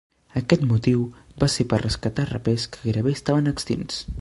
Aquest motiu va ser per rescatar rapers que gairebé estaven extints.